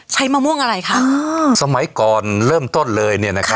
มะม่วงอะไรคะอ่าสมัยก่อนเริ่มต้นเลยเนี่ยนะคะ